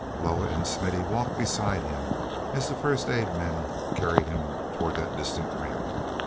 Loah and Smithy walked beside him, as the first aid men carried him toward that distant rim.